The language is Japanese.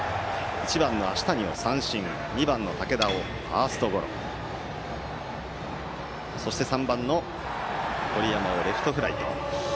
１番の足谷を三振２番の竹田をファーストゴロそして３番の堀山をレフトフライと。